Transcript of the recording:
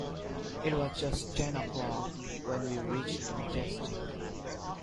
It was just ten o'clock when we reached the Majestic.